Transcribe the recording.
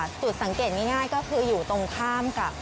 จุดสังเกตง่ายก็คืออยู่ตรงข้ามกับ